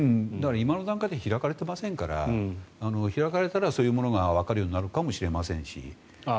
今の段階で開かれていませんから開かれたらそういうのがわかるようになるのかもしれませんし。